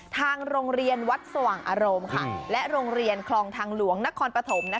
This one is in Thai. ทางโรงเรียนวัดสว่างอารมณ์และโรงเรียนคลองทางหลวงนครปฐม